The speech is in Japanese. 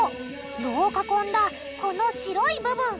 炉を囲んだこの白い部分！